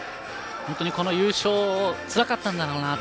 この優勝つらかったんだろうなって